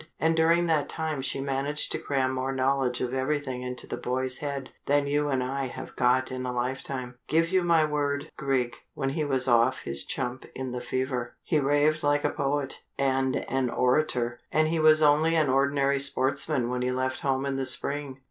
"And during that time she managed to cram more knowledge of everything into the boy's head than you and I have got in a lifetime. Give you my word, Grig, when he was off his chump in the fever, he raved like a poet, and an orator, and he was only an ordinary sportsman when he left home in the spring!